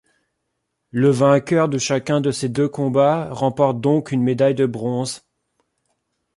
Le vainqueur de chacun de ces deux combats remportent donc une médaille de bronze.